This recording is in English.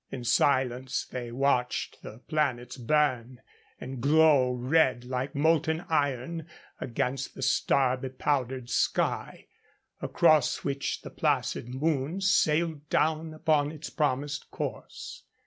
In silence they watched the planets burn and glow red like molten iron against the star bepowdered sky, across which the placid moon sailed down upon its promised course.